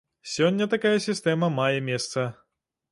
Сёння такая сістэма мае месца.